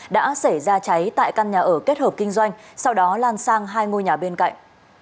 đã xảy ra cháy tại căn nhà ở kết hợp kinh doanh sau đó lan sang hai ngôi nhà bên cạnh